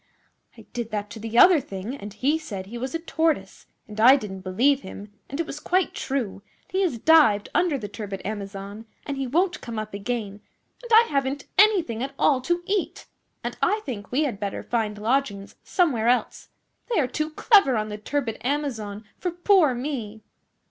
'I did that to the other thing; and he said he was a Tortoise, and I didn't believe him, and it was quite true, and he has dived under the turbid Amazon, and he won't come up again, and I haven't anything at all to eat, and I think we had better find lodgings somewhere else. They are too clever on the turbid Amazon for poor me!